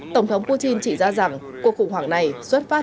tổng thống putin chỉ ra rằng cuộc khủng hoảng này xuất phát